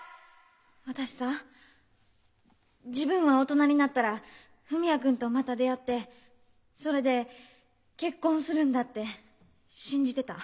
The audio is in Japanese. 私さぁ自分は大人になったら文也君とまた出会ってそれで結婚するんだって信じてた。